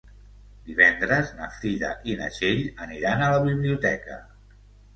Divendres na Frida i na Txell aniran a la biblioteca.